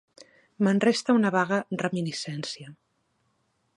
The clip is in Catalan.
Me'n resta una vaga reminiscència.